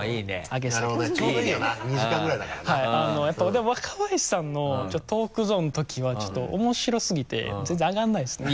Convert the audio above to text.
でも若林さんのトークゾーンのときはちょっと面白すぎて全然上がらないですね。